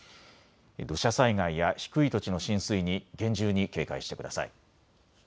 土砂災害や低い土地の浸水に厳重に警戒してください。